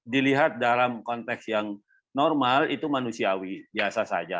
dilihat dalam konteks yang normal itu manusiawi biasa saja